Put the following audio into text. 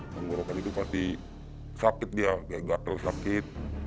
tenggorokan itu pasti sakit dia kayak gatel sakit